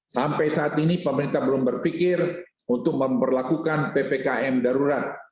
sampai saat ini pemerintah belum berpikir untuk memperlakukan ppkm darurat